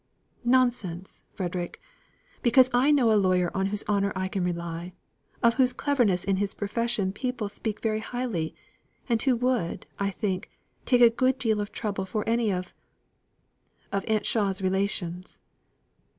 "Nonsense, Frederick! because I know a lawyer on whose honour I can rely; of whose cleverness in his profession people speak very highly; and who would, I think, take a good deal of trouble for any of Aunt Shaw's relations.